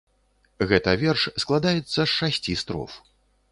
Гэта верш складаецца з шасці строф.